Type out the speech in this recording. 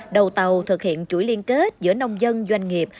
đầu tàu thực hiện chuỗi liên kết giữa nông dân doanh nghiệp